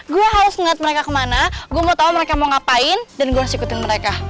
gue harus ngeliat mereka kemana gue mau tau mereka mau ngapain dan gue harus ikutin mereka